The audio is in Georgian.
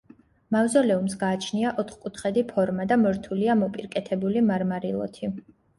მავზოლეუმს გააჩნია ოთხკუთხედი ფორმა და მორთულია მოპირკეთებული მარმარილოთი.